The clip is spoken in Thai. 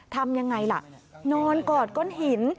ทำยังไงล่ะนอนกอดก้นหิน